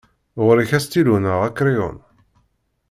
Ɣur-k astilu neɣ akeryun?